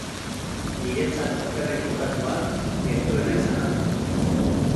Niretzat okerren kokatua, gertuena izan arren.